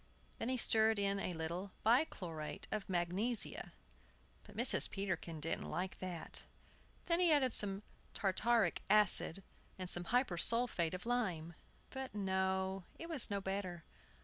Then he stirred in a little bichlorate of magnesia. But Mrs. Peterkin didn't like that. Then he added some tartaric acid and some hypersulphate of lime. But no; it was no better.